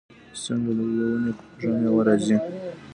چې څنګه له یوې ونې خوږه میوه راځي.